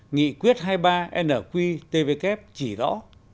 nghị quyết hai mươi ba nqtvk chỉ rõ